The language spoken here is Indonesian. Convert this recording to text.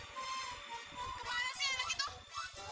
kemana sih anak itu